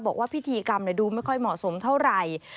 บอกว่าพิธีกรรมดูไม่ค่อยเหมาะสมเท่าไหร่